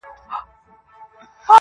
جنازې دي د بګړیو هدیرې دي چي ډکیږي؛